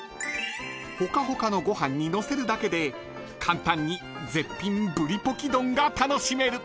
［ほかほかのご飯にのせるだけで簡単に絶品ぶりポキ丼が楽しめる］